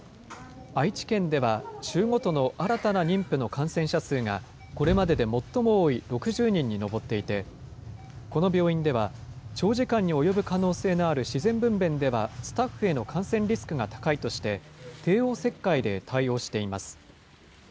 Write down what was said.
愛知県では、週ごとの新たな妊婦の感染者数がこれまでで最も多い６０人に上っていて、この病院では、長時間に及ぶ可能性のある自然分べんではスタッフへの感染リスクが高いとして、帝王切開で対応しています。